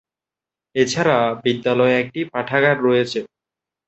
এছাড়া, বিদ্যালয়ে একটি পাঠাগার রয়েছে।